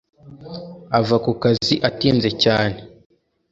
ava kukazi atinze cyane